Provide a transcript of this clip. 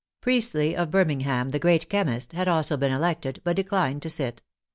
Priestly, of Birmingham, the great chemist, had also been elected, but declined to sit.